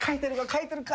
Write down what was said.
書いてるか？